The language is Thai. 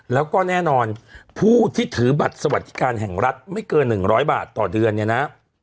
แล้วก็แน่นอนผู้ที่ถือบัตรสวัสดิการแห่งรัฐไม่เกิน๑๐๐บาทต่อเดือนเนี่ยนะ